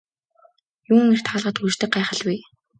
Юун эрт хаалгаа түгждэг гайхал вэ.